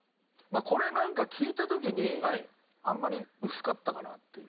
これなんか聴いた時にあんまり薄かったかなっていう。